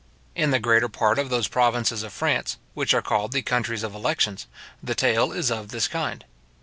In the greater part of those provinces of France, which are called the countries of elections, the taille is of this kind.